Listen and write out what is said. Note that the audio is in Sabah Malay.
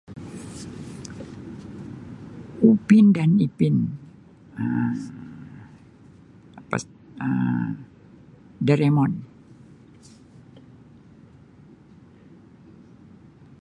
Upin dan Ipin Um lepas Um Doraemon.